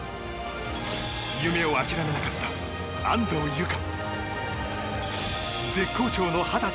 夢を諦めなかった、安藤友香。